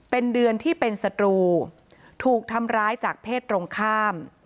เป็นเดือนที่เป็นศัตรูถูกทำร้ายจากเพศตรงข้าม